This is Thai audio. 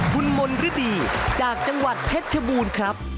คุณมนฤดีจากจังหวัดเพชรชบูรณ์ครับ